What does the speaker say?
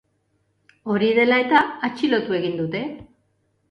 Hori dela eta, atxilotu egin dute.